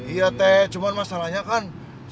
iya teh cuman masalahnya kan